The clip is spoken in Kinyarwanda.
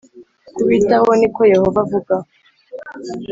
kubitaho ni ko Yehova avuga